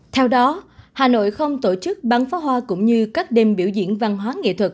theo đó hà nội không tổ chức bắn pháo hoa cũng như các đêm biểu diễn văn hóa nghệ thuật